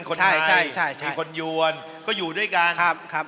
คนยวนอยู่ด้วยกันครับ